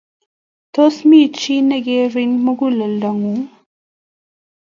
Tos, mi chi negiiri muguleldongung?